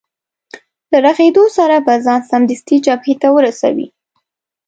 له رغېدو سره به ځان سمدستي جبهې ته ورسوې.